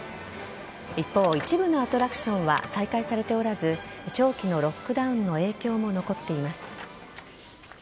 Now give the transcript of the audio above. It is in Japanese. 一方、一部のアトラクションは再開されておらず長期のロックダウンの影響も残っています。